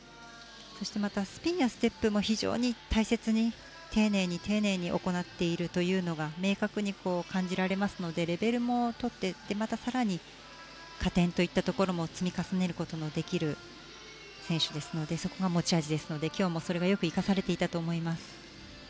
またスピンやステップも非常に大切に丁寧に丁寧に行っているのが明確に感じられますのでレベルもとれて更に加点といったところも積み重ねることのできる選手ですのでそこが持ち味ですので、今日も生かされていたと思います。